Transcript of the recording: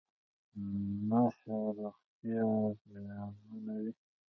نشه روغتیا زیانمنوي .